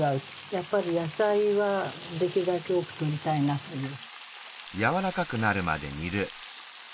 やっぱり野菜はできるだけ多くとりたいなという。